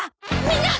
みんな！